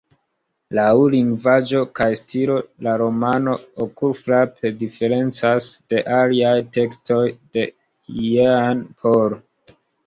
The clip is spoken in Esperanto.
Laŭ lingvaĵo kaj stilo la romano okulfrape diferencas de aliaj tekstoj de Jean Paul.